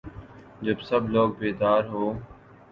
جب سب لوگ بیدار ہو